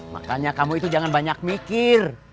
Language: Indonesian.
makanya kamu itu jangan banyak mikir